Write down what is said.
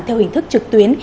theo hình thức trực tuyến